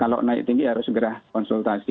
kalau naik tinggi harus segera konsultasi